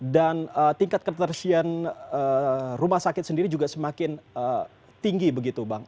dan tingkat keterisian rumah sakit sendiri juga semakin tinggi begitu bang